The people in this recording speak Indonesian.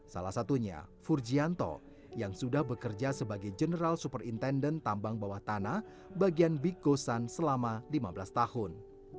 salah satunya furgianto yang sudah bekerja sebagai general super intendent tambang bawah tanah bagian bikosan selama lima belas tahun